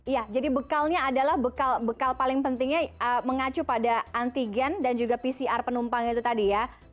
ya jadi bekalnya adalah bekal bekal paling pentingnya mengacu pada antigen dan juga pcr penumpang itu tadi ya